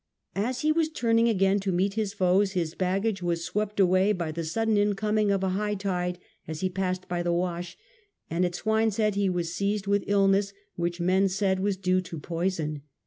As he was turning again to meet his foes his baggage was swept away by the sudden incoming of a high tide, as he passed by the Wash, and at Swineshead he was seized with illness, which men said was due to poison.